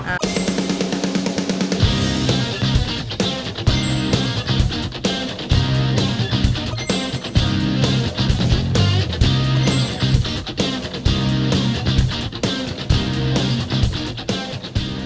สวัสดีครับ